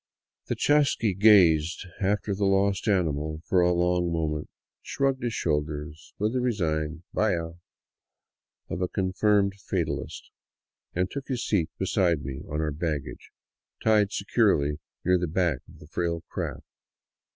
The chasqui gazed after the lost animal for a long moment, shrugged his shoulders with the resigned " Vaya !" of a confirmed fatalist, and took his seat beside me on our baggage, tied securely near the back of the frail craft.